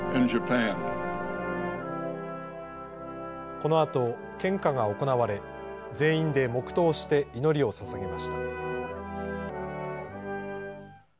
このあと、献花が行われ全員で黙とうして祈りをささげました。